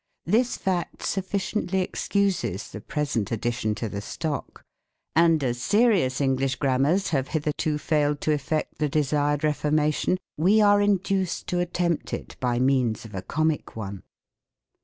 This fact sufficiently excuses the present addition to the stock ; and as serious English Grammars have hitherto failed to effect the desired reformation, we are induced to at tempt it by means of a Comic one.